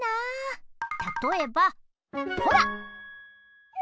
たとえばほら！